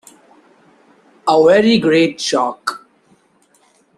A very great shock.